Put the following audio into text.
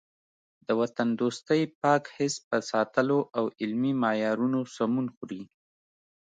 د وطن دوستۍ پاک حس په ساتلو او علمي معیارونو سمون خوري.